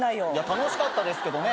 楽しかったですけどね。